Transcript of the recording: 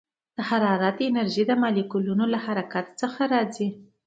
د حرارت انرژي د مالیکولونو له حرکت څخه راځي.